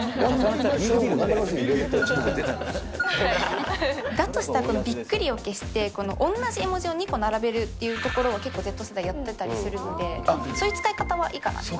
入れると、ちょっと出ちゃだとしたら、このびっくりを消して、この同じ絵文字を２個並べるっていうところを、結構Ｚ世代やってたりするので、そういう使い方はいいかなと。